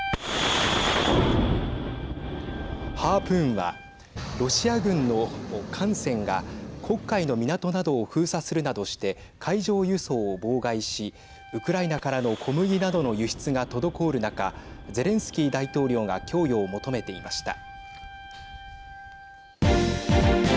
ハープーンはロシア軍の艦船が黒海の港などを封鎖するなどして海上輸送を妨害しウクライナからの小麦などの輸出が滞る中ゼレンスキー大統領が供与を求めていました。